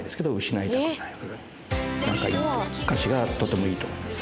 歌詞がとてもいいと思います。